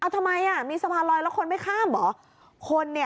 ทำไมมีสะพานลอยแล้วคนไม่ข้ามเหรอ